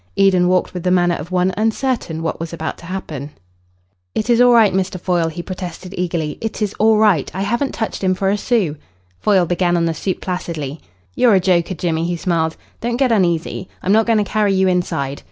Eden walked with the manner of one uncertain what was about to happen. "It is all right, Mr. Foyle," he protested eagerly. "It is all right. I haven't touched him for a sou." Foyle began on the soup placidly. "You're a joker, Jimmy," he smiled. "Don't get uneasy. I'm not going to carry you inside.